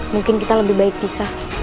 mungkin kita lebih baik bisa